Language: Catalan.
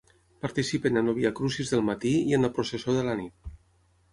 Participen en el Via Crucis del matí i en la processó de la nit.